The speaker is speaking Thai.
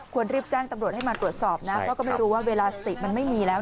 รีบแจ้งตำรวจให้มาตรวจสอบนะเพราะก็ไม่รู้ว่าเวลาสติมันไม่มีแล้ว